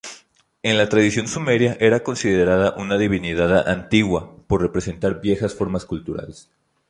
En la tradición sumeria era considerada una divinidad "antigua", por representar viejas formas culturales.